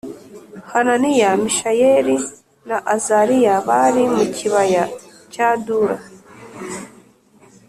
Hananiya Mishayeli na Azariya bari mu kibaya cya Dura